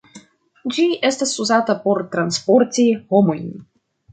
Ĝi estas uzata por transporti homojn.